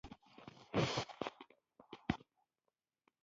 د افغان پګړۍ د ویاړ نښه ده.